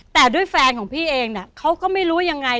แต่ด้วยแฟนของพี่เองเขาก็ไม่รู้ยังไง